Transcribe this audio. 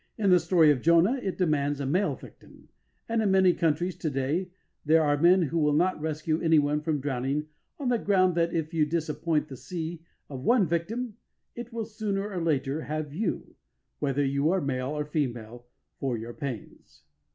In the story of Jonah, it demands a male victim, and in many countries to day there are men who will not rescue anyone from drowning on the ground that if you disappoint the sea of one victim it will sooner or later have you, whether you are male or female, for your pains.